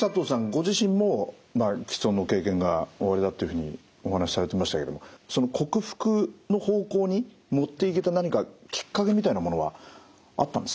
ご自身も吃音の経験がおありだというふうにお話しされてましたけどもその克服の方向に持っていけた何かきっかけみたいなものはあったんですか？